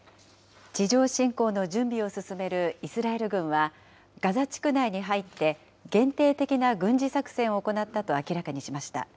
地上侵攻の準備を進めるイスラエル軍は、ガザ地区内に入って限定的な軍事作戦を行ったと明らかにしました。